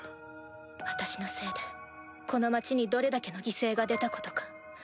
私のせいでこの町にどれだけの犠牲が出たことか。